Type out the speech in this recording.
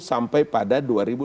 sampai pada dua ribu dua puluh